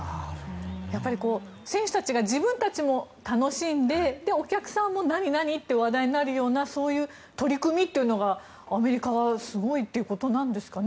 選手たちが自分たちも楽しんでお客さんも何々？って話題になるようなそういう取り組みがアメリカはすごいっていうことなんですかね。